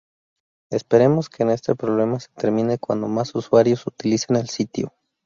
Esperemos que este problema se termine cuando más usuarios utilicen el sitio.